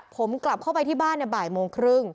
ผมกลับเข้าไปที่บ้านในบ่ายโมงครึ่ง